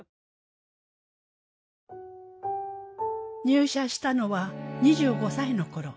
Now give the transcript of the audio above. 入社したのは２５歳のころ。